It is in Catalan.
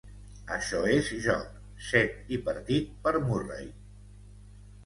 Això és joc, set i partit per Murray.